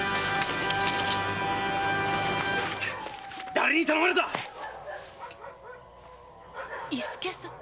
誰に頼まれた⁉伊助さん？